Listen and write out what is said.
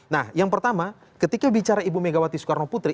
nah yang pertama ketika bicara ibu megawati soekarno putri